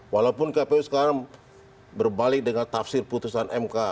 walaupun kpu sekarang berbalik dengan tafsir putusan mk